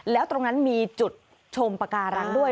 แล้วตรงนั้นมีจุดชมปาการังด้วย